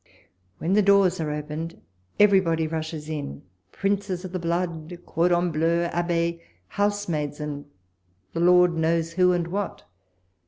When the doors are opened, everybody rushes in, princes of the blood, cordons bleus, abbes, housemaids, and the Lord knows who and what.